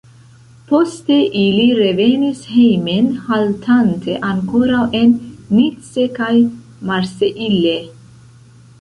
Poste ili revenis hejmen haltante ankoraŭ en Nice kaj Marseille.